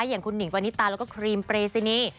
อย่างคุณหิงปณิตาแล้วก็ครีมเปรซินี